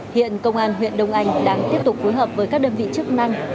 hiện công an huyện đông anh đang tiếp tục phối hợp với các đơn vị chức năng